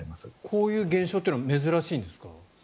こういう現象っていうのは珍しいんですか？